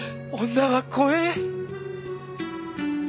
女は怖え。